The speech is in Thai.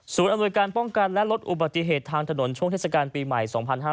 อำนวยการป้องกันและลดอุบัติเหตุทางถนนช่วงเทศกาลปีใหม่๒๕๕๙